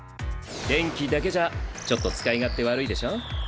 電気だけじゃちょっと使い勝手悪いでしょ？